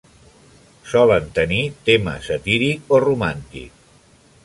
Solen tenir tema satíric o romàntic.